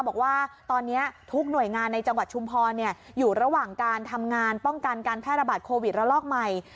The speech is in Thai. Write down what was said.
บอกว่าตอนนี้ทุกหน่วยงานในจังหวัดชุมพรอยู่ระหว่างการทำงานป้องกันการแพร่ระบาดโควิดระลอกใหม่